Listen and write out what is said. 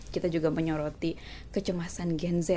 kita juga menyoroti kecemasan gen z